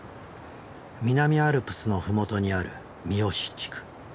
南アルプスの麓にある三義地区。